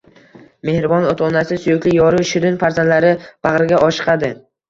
mehribon ota-onasi, suyukli yori, shirin farzandlari bag‘riga oshiqadi.